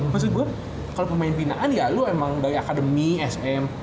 maksud gua kalo pemain binaan ya lu emang dari academy sm